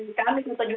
sedangkan hari hari ini